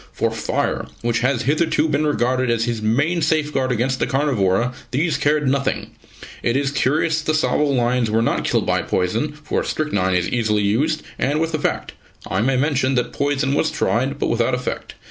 For fire which has hitherto been regarded as his main safeguard against the carnivora these cared nothing. It is curious that the Tsavo lions were not killed by poison, for strychnine is easily used, and with effect. (I may mention that poison was tried, but without effect.